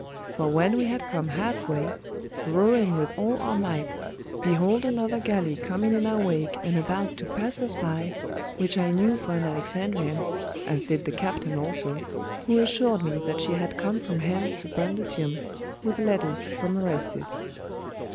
For when we had come halfway, rowing with all our might, behold another galley coming in our wake and about to pass us by, which I knew for an Alexandrian, as did the captain also, who assured me that she had come from hence to Brundusium with letters from Orestes.